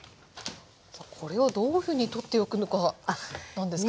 これをどういうふうに取ってゆくのかなんですけど。